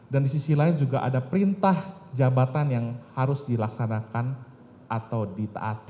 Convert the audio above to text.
dan di sisi lain juga ada perintah jabatan yang harus dilaksanakan atau ditaati